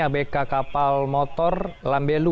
abk kapal motor lambele